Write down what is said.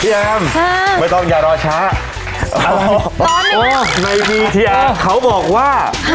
พี่แอมไม่ต้องอย่ารอช้าโอ้โหโอ้โหไม่มีที่แอมเขาบอกว่า